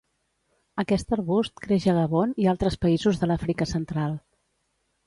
Aquest arbust creix a Gabon i altres països de l'Àfrica central.